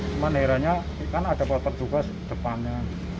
cuman akhirnya kan ada poter juga depannya